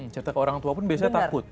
citra ke orang tua pun biasanya takut